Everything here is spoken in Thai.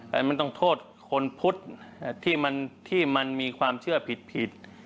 แต่มันต้องโทษคนพุทธที่มันมีความเชื่อผิด